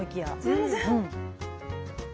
全然。